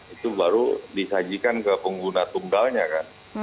itu baru disajikan ke pengguna tunggalnya kan